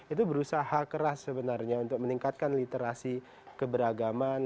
itu berusaha keras sebenarnya untuk meningkatkan literasi keberagaman